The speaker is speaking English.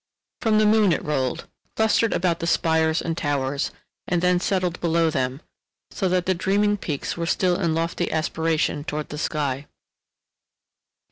From the moon it rolled, clustered about the spires and towers, and then settled below them, so that the dreaming peaks were still in lofty aspiration toward the sky.